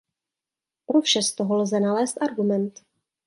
Pro vše z toho lze nalézt argument.